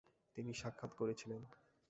তিনি সাক্ষাৎ করেছিলেন।